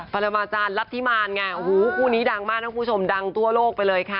ปรมาจารย์รัฐธิมารไงโอ้โหคู่นี้ดังมากนะคุณผู้ชมดังทั่วโลกไปเลยค่ะ